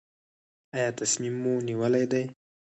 ایا تصمیم مو نیولی دی؟